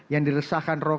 yang diresahkan rocky